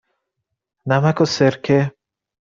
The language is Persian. نمک و سرکه.